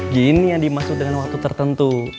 gini yang dimaksud dengan waktu tertentu